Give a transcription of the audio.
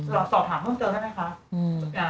สอบถามเพิ่มเจอได้ไหมคะ